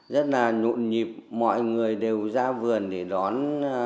rất là nhộn nhịp mọi người đều ra vườn để đón